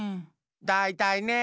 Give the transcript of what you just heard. だいたいね！